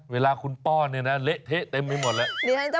เวลาคุณป้อนเนี่ยนะเละเทะเต็มไปหมดแล้ว